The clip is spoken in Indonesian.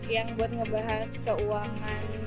yang buat ngebahas keuangan